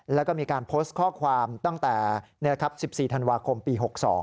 แล้วก็มีการโพสต์ข้อความตั้งแต่๑๔ธันวาคมปี๖๒